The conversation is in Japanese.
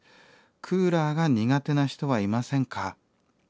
クーラーが苦手な人はいませんか？」。